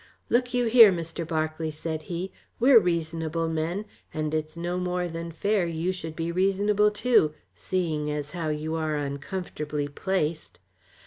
"Look you here, Mr. Berkeley," said he, "we're reasonable men, and it's no more than fair you should be reasonable too, seeing as how you are uncomfortably placed.